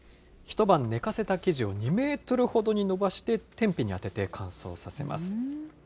一晩寝かせた生地を２メートルほどに伸ばして、天日に当てて乾燥させます。